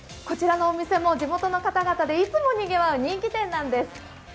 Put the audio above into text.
こちらのお店も地元の方々でいつもにぎわう人気店なんです。